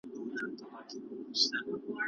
دين يو عامل دی.